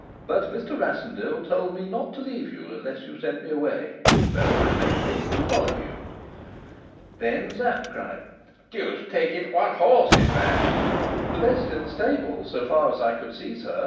But Mr. Rassendyll told me not to leave you, unless you sent me away. So I made haste to follow you." Then Sapt cried: "Deuce take it, what horse is that?" "The best in the stables, so far as I could see, sir.